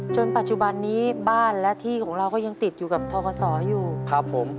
จนปัจจุบันนี้บ้านและที่ของเราก็ยังติดอยู่กับทกศอยู่ครับผม